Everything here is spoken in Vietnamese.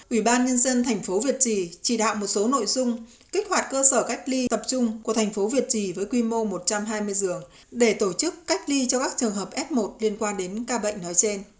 ủy ban nhân dân thành phố việt trì chỉ đạo một số nội dung kích hoạt cơ sở cách ly tập trung của thành phố việt trì với quy mô một trăm hai mươi giường để tổ chức cách ly cho các trường hợp f một liên quan đến ca bệnh nói trên